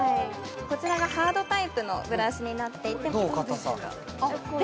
こちらがハードタイプのブラシになっていてどう？